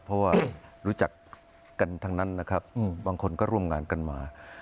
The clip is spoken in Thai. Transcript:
เพราะว่ารู้จักกันทั้งนั้นนะครับบางคนก็ร่วมงานกันมา